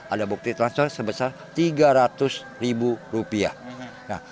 ada bukti transfer sebesar tiga ratus ribu rupiah